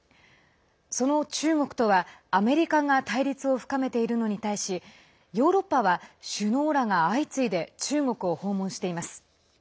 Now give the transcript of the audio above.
その中国とは、アメリカが対立を深めているのに対しヨーロッパは、首脳らが相次いで中国を訪問しています。